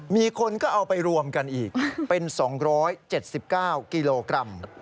มีคนก็เอาไปรวมกันอีกเป็น๒๗๙กิโลกรัม